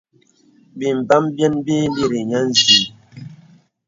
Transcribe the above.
Bīmbām biyə̀n bì ï līri niə nzi.